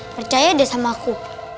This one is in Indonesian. percaya deh sama aku